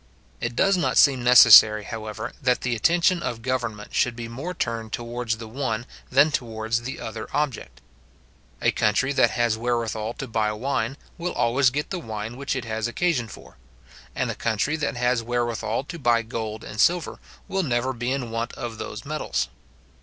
It does not seem necessary, however, that the attention of government should be more turned towards the one than towards the other object. A country that has wherewithal to buy wine, will always get the wine which it has occasion for; and a country that has wherewithal to buy gold and silver, will never be in want of those metals.